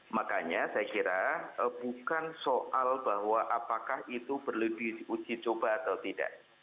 makanya saya kira bukan soal bahwa apakah itu perlu diuji coba atau tidak